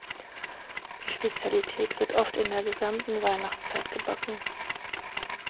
Die Spezialität wird oft in der gesamten Weihnachtszeit gebacken.